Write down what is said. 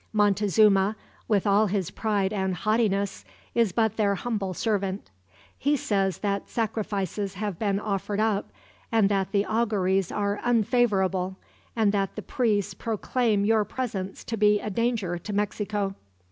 Montezuma, with all his pride and haughtiness, is but their humble servant. He says that sacrifices have been offered up, and that the auguries are unfavorable, and that the priests proclaim your presence to be a danger to Mexico.